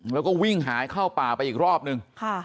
แล้วก็วิ่งหายเข้าป่าไปอีกรอบนึง